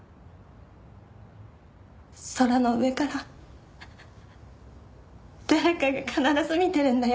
空の上から誰かが必ず見てるんだよって。